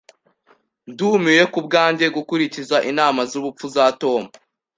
Ndumiwe kubwanjye gukurikiza inama zubupfu za Tom.